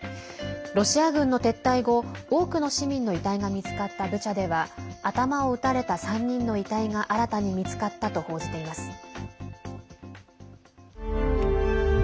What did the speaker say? ロシア軍の撤退後、多くの市民の遺体が見つかったブチャでは頭を撃たれた３人の遺体が新たに見つかったと報じています。